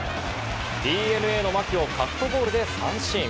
ＤｅＮＡの牧をカットボールで三振。